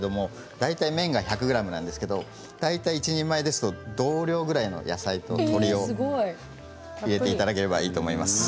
大体麺が１００ｇなんですけれど一人前ですと同量ぐらいの野菜を入れていただければいいと思います。